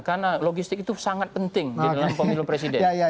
karena logistik itu sangat penting di dalam pemilu presiden